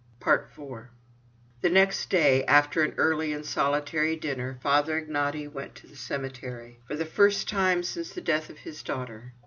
IV The next day, after an early and solitary dinner, Father Ignaty went to the cemetery—for the first time since the death of his daughter.